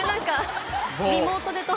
リモートで登場。